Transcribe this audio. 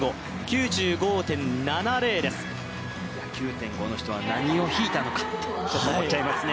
９．５の人は何をひいたのかって思っちゃいますね。